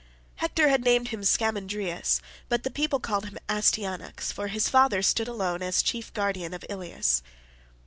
Hector had named him Scamandrius, but the people called him Astyanax, for his father stood alone as chief guardian of Ilius.